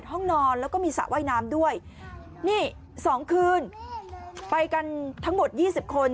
ห้องนอนแล้วก็มีสระว่ายน้ำด้วยนี่สองคืนไปกันทั้งหมดยี่สิบคน